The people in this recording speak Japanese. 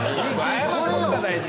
謝ることが大事。